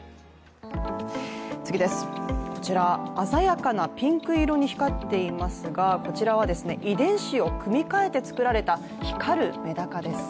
こちら鮮やかなピンク色に光っていますが、こちらは遺伝子を組み換えられて作られた光るめだかです。